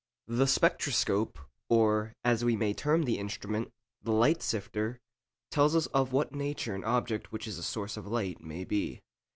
The spectroscope, or, as we may term the instrument, the 'light sifter,' tells us of what nature an object which is a source of light may be.